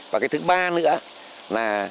và cái thứ ba nữa là